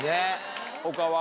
他は？